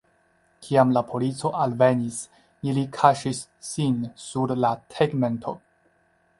Kiam la polico alvenis, ili kaŝis sin sur la tegmento.